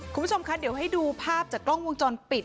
คุณผู้ชมคะเดี๋ยวให้ดูภาพจากกล้องวงจรปิด